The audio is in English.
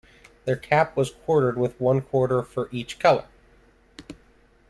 Their cap was quartered with one quarter for each color.